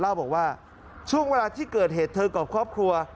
เล่าบอกว่าช่วงเวลาที่เกิดเหตุเธอกับครอบครัว